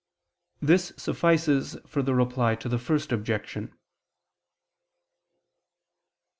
This suffices for the Reply to the First Objection.